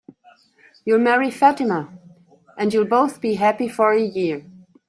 You'll marry Fatima, and you'll both be happy for a year.